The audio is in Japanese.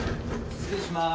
失礼します。